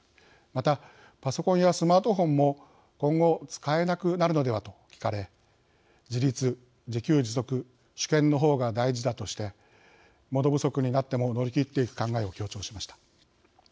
またパソコンやスマートフォンも今後使えなくなるのではと聞かれ自立・自給自足・主権の方が大事だとしてモノ不足になっても乗り切っていく考えを強調しました。